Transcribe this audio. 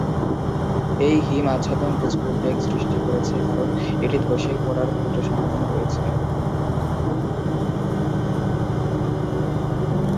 এই হিম আচ্ছাদন কিছু উদ্বেগ সৃষ্টি করেছে কারণ এটি ধসে পড়ার ক্ষুদ্র সম্ভাবনা রয়েছে।